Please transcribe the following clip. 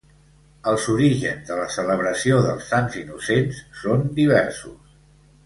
Els orígens de la celebració dels Sants Innocents són diversos.